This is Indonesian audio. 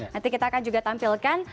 nanti kita akan juga tampilkan